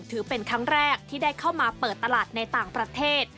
ถือเป็นครั้งแรกที่ได้เข้ามาเปิดตลาดในต่างประเทศ